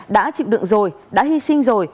đã chịu đựng rồi đã hy sinh rồi